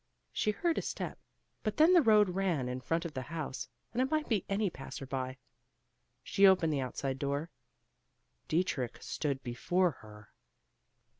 She heard a step; but then the road ran in front of the house, and it might be any passer by. She opened the outside door Dietrich stood before her!